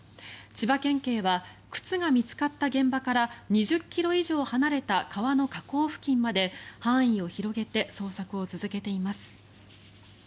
千葉県警は靴が見つかった現場から２０ｋｍ以上離れた川の河口付近まで範囲を広げて捜索を続けています。